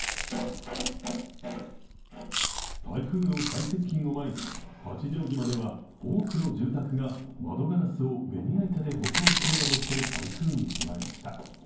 台風の最接近を前に八丈島では多くの住宅が窓ガラスをベニヤ板で補強するなどして台風に備えました。